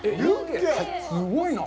すごいなぁ。